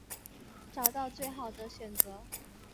找到最好的选择